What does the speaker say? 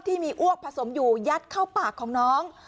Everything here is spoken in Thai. ที่มีอ้วกผสมอยู่ยัดเข้าปากของน้อง